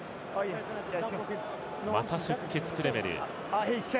また出血、クレメル。